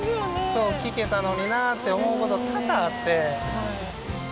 そう聞けたのになあって思うこと多々あって。